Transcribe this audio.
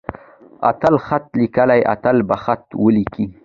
اتل خط ليکي. اتل به خط وليکي.